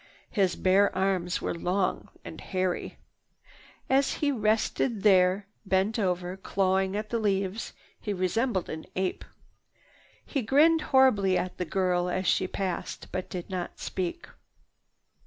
His bare arms were long and hairy. As he rested there, bent over, clawing at the leaves, he resembled an ape. He grinned horribly at the girl as she passed, but did not speak.